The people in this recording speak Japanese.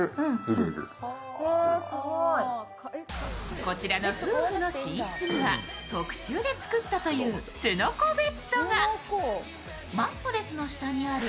こちら夫婦の寝室には特注で作ったというすのこベッドが。